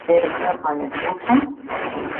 ایا زه باید مور شم؟